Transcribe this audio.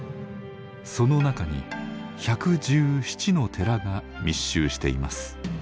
その中に１１７の寺が密集しています。